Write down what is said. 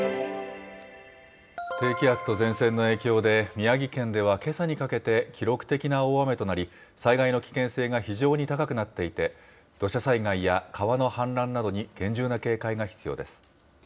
低気圧と前線の影響で、宮城県ではけさにかけて記録的な大雨となり、災害の危険性が非常に高くなっていて、土砂災害や川の氾濫などに厳重な警戒が必要です。